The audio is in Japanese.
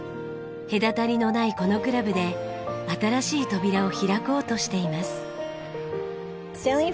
隔たりのないこのクラブで新しい扉を開こうとしています。